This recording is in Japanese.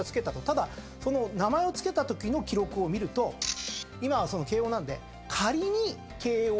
ただ名前を付けたときの記録を見ると今は慶應なんで。